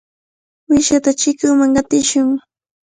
Uyshata chikunman qatishun.